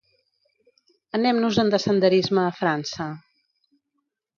Anem-nos-en de senderisme a França.